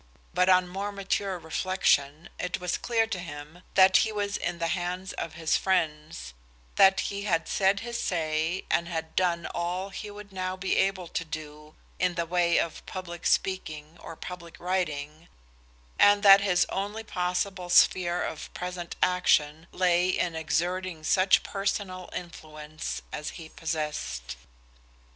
But on more mature reflection it was clear to him that he was in the hands of his friends, that he had said his say and had done all he would now be able to do in the way of public speaking or public writing, and that his only possible sphere of present action lay in exerting such personal influence as he possessed.